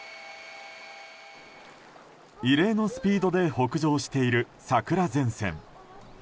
異例のスピードで北上している桜前線。